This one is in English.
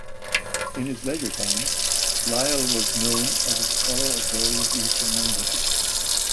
In his leisure time Lyall was known as a scholar of various Eastern languages.